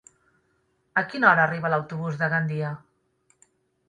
A quina hora arriba l'autobús de Gandia?